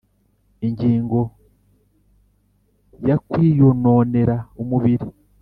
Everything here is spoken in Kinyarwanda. Ingingo ya Kwiyononera umubiri